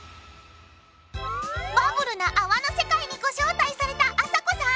バブルなあわの世界にご招待されたあさこさん。